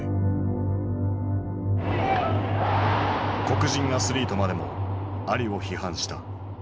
黒人アスリートまでもアリを批判した。